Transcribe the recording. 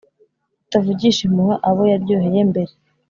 Rutavugisha impuha abo yaryoheye mbere,